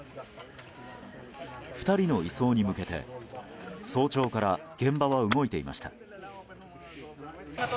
２人の移送に向けて早朝から現場は動いていました。